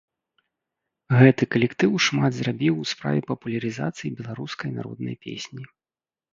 Гэты калектыў шмат зрабіў у справе папулярызацыі беларускай народнай песні.